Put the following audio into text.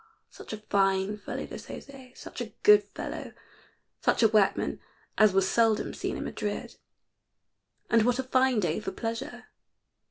Such a fine fellow, this José such a good fellow such a workman as was seldom seen in Madrid. And what a fine day for pleasure.